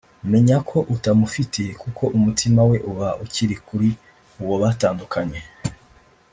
menya ko utamufite kuko umutima we uba ukiri kuri uwo batandukanye